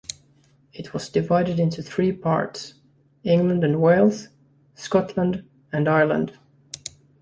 It was divided into three parts: England and Wales, Scotland, and Ireland.